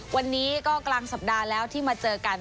วันนี้ก็กลางสัปดาห์แล้วที่มาเจอกัน